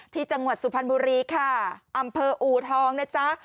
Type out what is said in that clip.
จังหวัดสุพรรณบุรีค่ะอำเภออูทองนะจ๊ะ